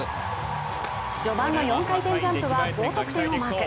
序盤の４回転ジャンプは高得点をマーク。